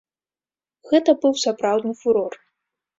Гэта быў сапраўдны фурор.